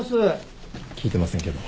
聞いてませんけど。